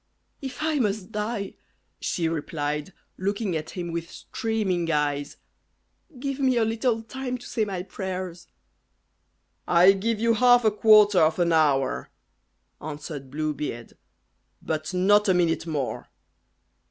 "If I must die," she replied, looking at him with streaming eyes, "give me a little time to say my prayers." "I give you half a quarter of an hour," answered Blue Beard, "but not a minute more."